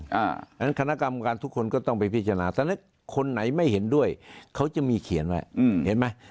เพราะฉะนั้นคณะกรรมการทุกคนก็ต้องไปพิจารณาแต่เล็กคนไหนไม่เห็นด้วยเขาจะมีเขียนไว้เห็นไหม